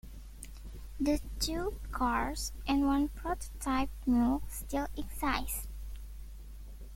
The two cars and one prototype mule still exist.